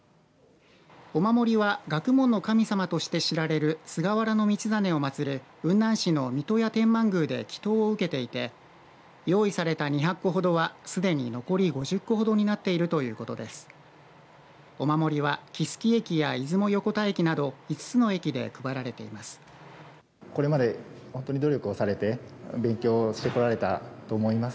お守りは学問の神様として知られる菅原道真を祭る雲南市の三刀屋天満宮で祈とうを受けていて用意された２００個ほどはすでに残り５０個ほどになっているということです。